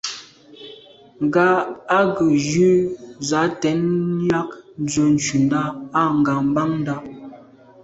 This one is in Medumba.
Ŋgá á gə́ jí zǎ tɛ̌n ják ndzwə́ ncúndá â ŋgàbándá.